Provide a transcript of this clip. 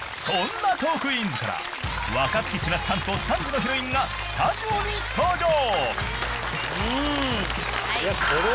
［そんな『トークィーンズ』から若槻千夏さんと３時のヒロインがスタジオに登場］